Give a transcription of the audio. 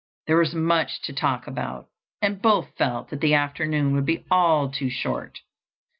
There was much to talk about, and both felt that the afternoon would be all too short.